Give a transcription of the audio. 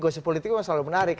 gosip politik memang selalu menarik